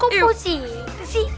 kok positi sih